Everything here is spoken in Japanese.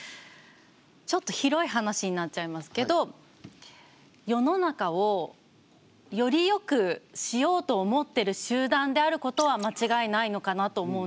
ちょっと広い話になっちゃいますけど世の中をより良くしようと思ってる集団であることは間違いないのかなと思うんですよ。